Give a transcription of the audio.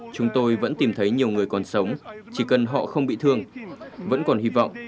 chúng tôi vẫn tìm thấy nhiều người còn sống chỉ cần họ không bị thương vẫn còn hy vọng